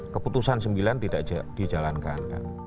keputusan sembilan tidak dijalankan